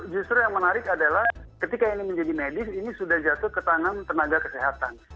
justru yang menarik adalah ketika ini menjadi medis ini sudah jatuh ke tangan tenaga kesehatan